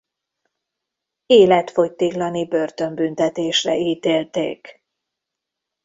Életfogytiglani börtönbüntetésre ítélték.